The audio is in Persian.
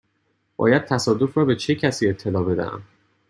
باید تصادف را به چه کسی اطلاع بدهم؟